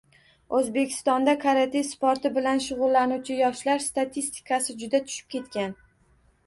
Oʻzbekistonda karate sporti bilan shugʻullanuvchi yoshlar statistikasi juda tushib ketgan.